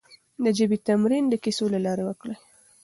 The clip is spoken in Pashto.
د ژبې تمرين د کيسو له لارې وکړئ.